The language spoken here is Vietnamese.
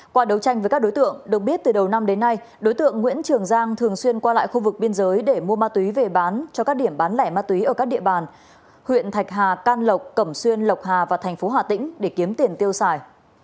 qua đấu tranh với các đối tượng được biết từ đầu năm đến nay đối tượng nguyễn trường giang thường xuyên qua lại khu vực biên giới để mua ma túy về bán cho các điểm bán lẻ ma túy ở các địa bàn huyện thạch hà can lộc cẩm xuyên lộc hà và thành phố hà tĩnh để kiếm tiền tiêu xài